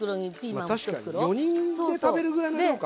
まあ確かに４人で食べるぐらいの量か。